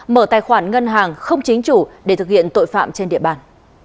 mở tài khoản ngân hàng không chính chủ để thực hiện tội phạm trên địa bàn